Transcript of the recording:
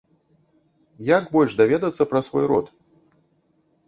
Як больш даведацца пра свой род?